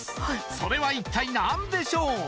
それは一体何でしょう？